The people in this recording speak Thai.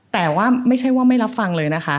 แต่ว่าไม่ใช่ว่าไม่รับฟังเลยนะคะ